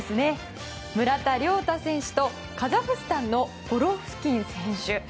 村田諒太選手とカザフスタンのゴロフキン選手。